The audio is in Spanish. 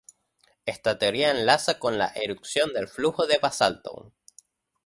Esta teoría enlaza con la erupción del flujo de basalto.